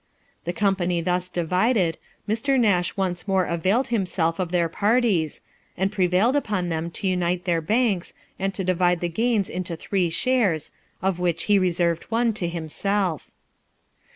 The company thus divided, Mr. Nash once more availed himself of their parties, and prevailed upon them to unite their banks, and to divide the gains into three shares, of which he reserved one to himself.